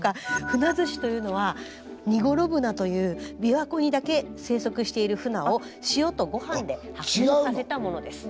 ふなずしというのはニゴロブナという琵琶湖にだけ生息しているフナを塩とごはんで発酵させたものです。